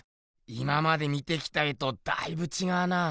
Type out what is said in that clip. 今まで見てきた絵とだいぶちがうな。